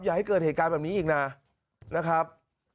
อย่าให้เกิดเหตุการณ์แบบนี้อีกนะนะครับ